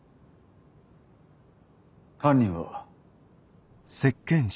犯人は。